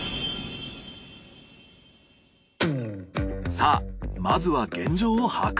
さあまずは現状を把握。